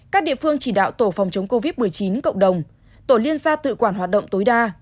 các địa phương chỉ đạo tổ phòng chống covid một mươi chín cộng đồng tổ liên gia tự quản hoạt động tối đa